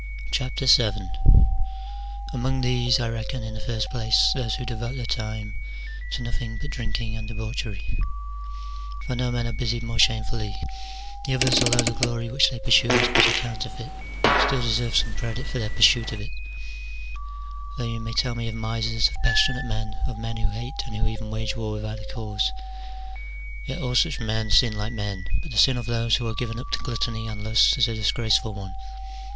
YII. Among these I reckon in the first place those who devote their time to nothing but drinking and debauchery : CH. VII.] OF THE SHORTNESS OF LIFE. 297 for no men are busied more shamefully : the others, al though the glory which they pursue is but a counterfeit, still deserve some credit for their pursuit of it — though you may tell me of misers, of passionate men, of men who hate and who even wage war without a cause — yet all such men sin like men : but the sin of those who are given up to gluttony and lust is a disgraceful one.